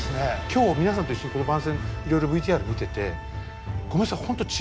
今日皆さんと一緒にこの番宣いろいろＶＴＲ見ててごめんなさい